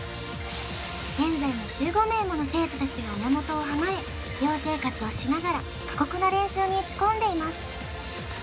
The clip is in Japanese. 現在も１５名もの生徒たちが親元を離れ寮生活をしながら過酷な練習に打ち込んでいます